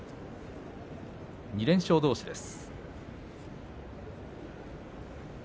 ２連勝どうしです。